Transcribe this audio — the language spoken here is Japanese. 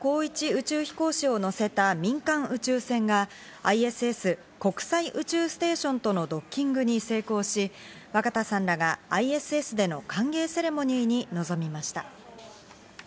宇宙飛行士を乗せた民間宇宙船が、ＩＳＳ＝国際宇宙ステーションとのドッキングに成功し、若田さんらがＩＳＳでの歓迎セレモニーに臨みました。